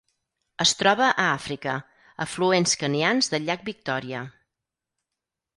Es troba a Àfrica: afluents kenyans del llac Victòria.